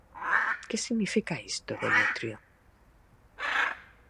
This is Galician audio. Que significa isto, Demetrio?